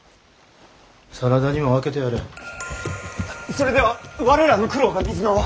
それでは我らの苦労が水の泡。